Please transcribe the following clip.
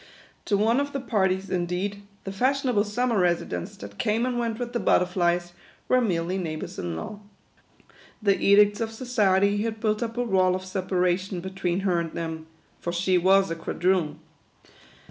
To one of the parties, indeed, the fashionable summer residents, that came and went with the butterflies, were merely neigh bours in law. The edicts of society had built up a wall of separation between her and them ; for she was a quadroon.